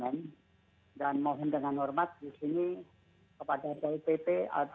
dan mohon dengan hormat bisa berikan kepada semua masyarakat yang diperlukan untuk memperbaiki masker ini di provinsi jawa barat